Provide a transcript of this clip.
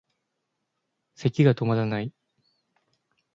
咳がとまらない